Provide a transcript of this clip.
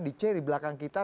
diceh di belakang kita